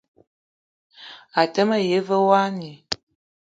A te ma yi ve mwoani